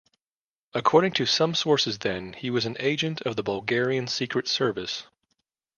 According to some sources then he was an agent of the Bulgarian secret service.